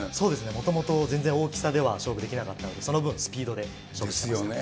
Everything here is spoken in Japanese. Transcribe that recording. もともと全然大きさでは勝負できなかったので、その分、スピードで勝負していまですよね。